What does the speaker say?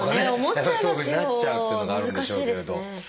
やっぱりそういうふうになっちゃうっていうのがあるんでしょうけれど。